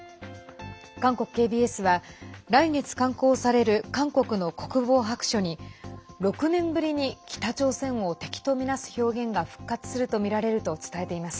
韓国ＫＢＳは来月、刊行される韓国の国防白書に６年ぶりに北朝鮮を敵とみなす表現が復活するとみられると伝えています。